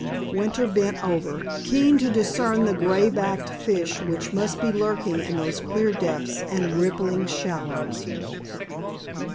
Winter bent over, keen to discern the gray backed fish which must be lurking in those clear depths and rippling shallows.